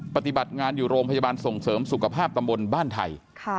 ปฏิบัติงานอยู่โรงพยาบาลส่งเสริมสุขภาพตำบลบ้านไทย